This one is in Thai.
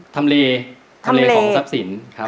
ทำเลทำเลของทรัพย์ศิลป์ครับผม